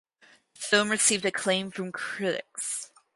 The film received acclaim from critics.